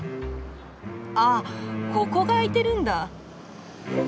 あここが開いてるんだ。